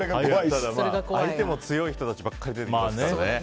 相手も強い人たちばかり出てきますからね。